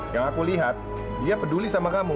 yang aku lihat dia peduli sama kamu